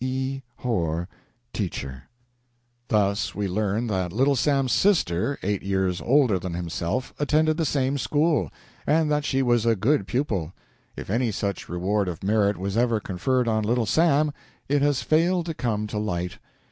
E. HORR, Teacher. Thus we learn that Little Sam's sister, eight years older than himself, attended the same school, and that she was a good pupil. If any such reward of merit was ever conferred on Little Sam, it has failed to come to light.